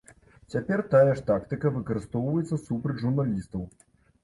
Цяпер тая ж тактыка выкарыстоўваецца супраць журналістаў.